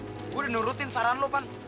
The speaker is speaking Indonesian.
eh gua udah nurutin saran lu pan